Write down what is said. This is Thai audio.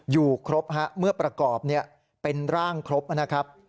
อยู่ครบฮะเมื่อประกอบเป็นร่างครบนะครับ